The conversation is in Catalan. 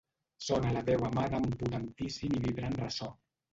Sona la veu amada en potentíssim i vibrant ressò.